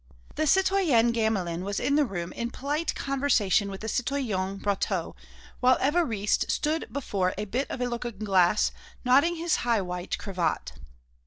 The citoyenne Gamelin was in the room in polite conversation with the citoyen Brotteaux, while Évariste stood before a bit of looking glass knotting his high white cravat.